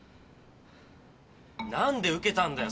何で受けたんだよ